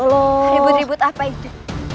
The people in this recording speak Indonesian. ribut ribut apa itu